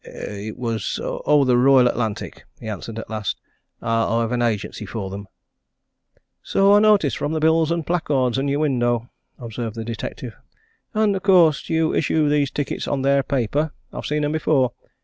"It was oh, the Royal Atlantic!" he answered at last. "I've an agency for them." "So I noticed from the bills and placards in your window," observed the detective. "And of course you issue these tickets on their paper I've seen 'em before.